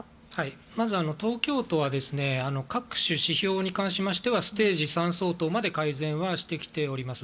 まず東京都は各種指標に関しましてはステージ３相当まで改善はしてきています。